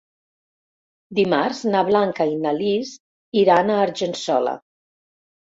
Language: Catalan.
Dimarts na Blanca i na Lis iran a Argençola.